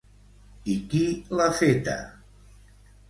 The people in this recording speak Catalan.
I qui l'ha feta?